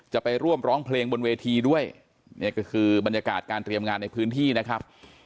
จะไปร่วมร้องเพลงบนเวทีด้วยนี่ก็คือบรรยากาศการเตรียมงานในพื้นที่นะครับ